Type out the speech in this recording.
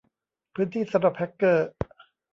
พื้นที่สำหรับแฮกเกอร์